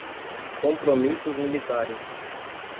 compromissos militares